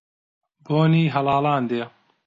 بۆنی هەڵاڵان دێ